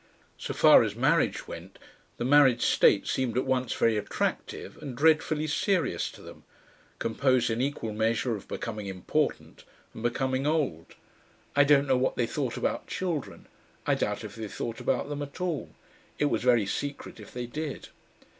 So far as marriage went, the married state seemed at once very attractive and dreadfully serious to them, composed in equal measure of becoming important and becoming old. I don't know what they thought about children. I doubt if they thought about them at all. It was very secret if they did.